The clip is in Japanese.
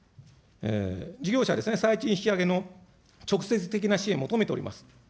事業者ですね、最賃引き上げの直接的な支援を求めております。